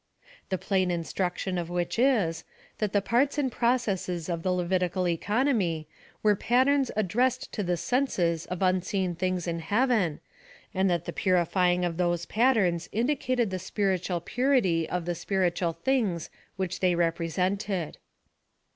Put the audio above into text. The plain instruction of which is, that the parts and processes of the Levitical economy were patterns addressed to the senses of unseen things in heaven, and that the purifying of those patterns indicated the spiritual purity of the spiritual things which they represented.